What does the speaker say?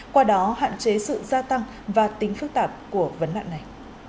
qua đó hạn chế sự gia tăng và tính phức tạp của vấn nạn này